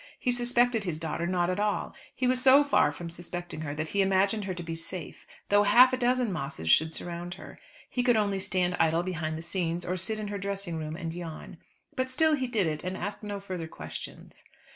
He suspected his daughter not at all. He was so far from suspecting her that he imagined her to be safe, though half a dozen Mosses should surround her. He could only stand idle behind the scenes, or sit in her dressing room and yawn. But still he did it, and asked no further questions.